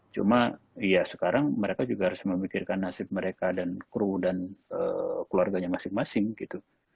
cuma ya sekarang mereka juga harus memikirkan nasib mereka dan kru dan keluarganya masing masing gitu